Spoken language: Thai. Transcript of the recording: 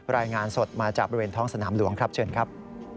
รายงานสดมาจากบริเวณท้องสนามหลวงครับเชิญครับ